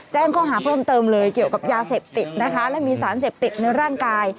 แจ้งข้อหาเพิ่มเติมเลยเกี่ยวกับยาเสพติดนะคะและมีสารเสพติดในร่างกาย